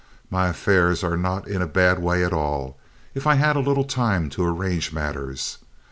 My affairs are not in a bad way at all, if I had a little time to arrange matters.